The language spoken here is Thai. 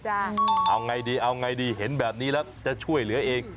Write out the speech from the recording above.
จ้ะเอาอย่างไรดีเห็นแบบนี้แล้วจะช่วยเหลือเอง